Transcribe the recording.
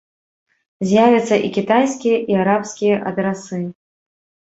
З'явяцца і кітайскія, і арабскія адрасы.